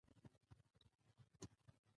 واوره د افغانستان د طبیعت برخه ده.